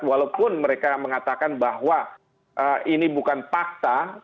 walaupun mereka mengatakan bahwa ini bukan fakta